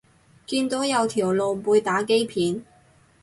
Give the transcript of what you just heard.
見到有條露背打機片